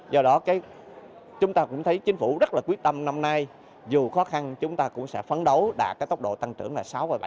do đó chúng ta cũng thấy chính phủ rất là quyết tâm năm nay dù khó khăn chúng ta cũng sẽ phấn đấu đạt cái tốc độ tăng trưởng là sáu ba